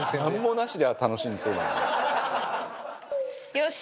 よし！